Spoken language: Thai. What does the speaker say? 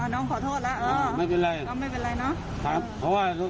น้องขอโทษแล้วไม่เป็นไรก็ไม่เป็นไรเนอะ